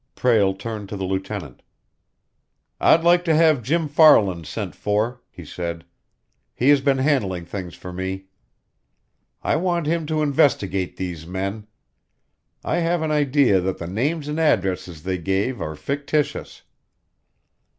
Prale turned to the lieutenant. "I'd like to have Jim Farland sent for," he said. "He has been handling things for me. I want him to investigate these men. I have an idea that the names and addresses they gave are fictitious.